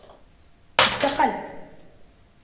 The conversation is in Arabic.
استقلت.